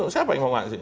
siapa yang mau ngasih